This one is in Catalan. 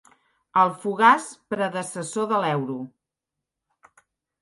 El fugaç predecessor de l'euro.